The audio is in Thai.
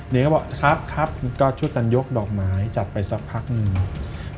นี่ก็บอกครับครับก็ช่วยกันยกดอกไม้จัดไปสักพักหนึ่ง